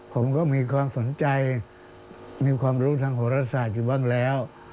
ผมก็มีความสนใจมีความรู้ทางโหรศาสตร์อยู่บ้างแล้ว